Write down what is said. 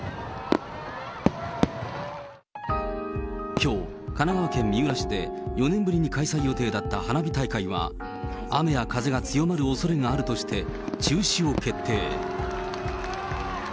きょう、神奈川県三浦市で、４年ぶりに開催予定だった花火大会は、雨や風が強まるおそれがあるとして、中止を決定。